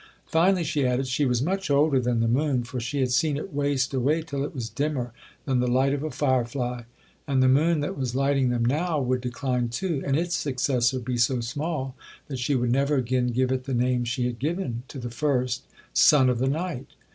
Finally, she added, she was much older than the moon, for she had seen it waste away till it was dimmer than the light of a fire fly; and the moon that was lighting them now would decline too, and its successor be so small, that she would never again give it the name she had given to the first—Sun of the Night.